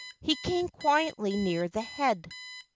He came quietly near the head.